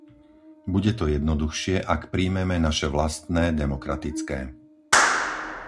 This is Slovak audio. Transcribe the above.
Bude to jednoduchšie, ak prijmeme naše vlastné demokratické...